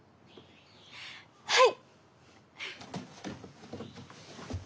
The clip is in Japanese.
はい！